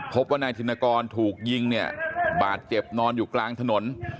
พบว่านายธินกรถูกยิงเนี่ยบาดเจ็บนอนอยู่กลางถนน